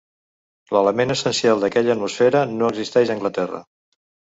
L'element essencial d'aquella atmosfera no existeix a Anglaterra